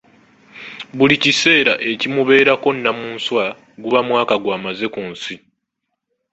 Buli kiseera ekimubeerako Nnamunswa guba mwaka gw'amaze ku nsi.